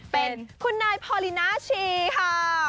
เป็นคุณนายพอลินาชีค่ะ